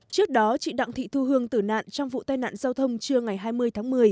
trước đó chị đặng thị thu hương tử nạn trong vụ tai nạn giao thông trưa ngày hai mươi tháng một mươi